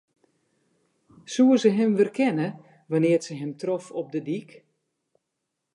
Soe se him werkenne wannear't se him trof op de dyk?